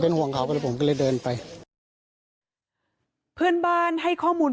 พี่บุหรี่พี่บุหรี่พี่บุหรี่พี่บุหรี่พี่บุหรี่